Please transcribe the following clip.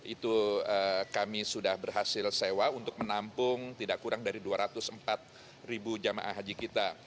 itu kami sudah berhasil sewa untuk menampung tidak kurang dari dua ratus empat ribu jemaah haji kita